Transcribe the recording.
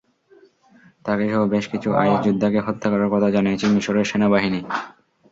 তাঁকেসহ বেশ কিছু আইএস যোদ্ধাকে হত্যা করার কথা জানিয়েছে মিসরের সেনাবাহিনী।